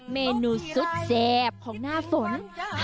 เมนูสุดแทนจากหน้าฝน